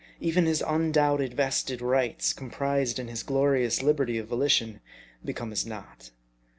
Even his undoubted vested rights, comprised in his glorious liberty of volition, become as naught.